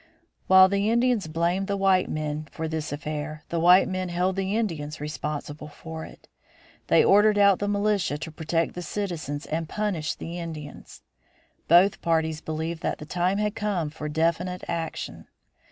While the Indians blamed the white men for this affair the white men held the Indians responsible for it. They ordered out the militia to protect the citizens and punish the Indians. Both parties believed that the time had come for definite action.